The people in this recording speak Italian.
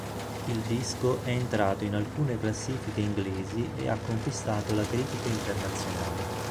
Il disco è entrato in alcune classifiche inglesi e ha conquistato la critica internazionale.